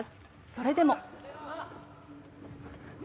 それでも。